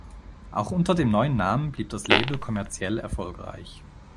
Auch unter dem neuen Namen blieb das Label kommerziell erfolgreich.